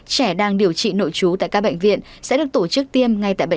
trẻ đang điều trị nội trú tại các bệnh viện sẽ được tổ chức tiêm